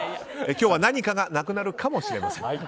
今日は何かがなくなるかもしれません。